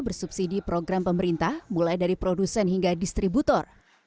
bersubsidi program pemerintah mulai dari produsen hingga distributor